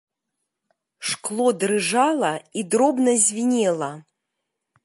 Шкло дрыжала і дробна звінела.